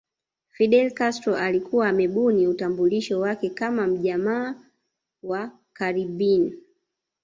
Fidel Castro alikuwa amebuni utambulisho wake kama mjamaa wa Caribbean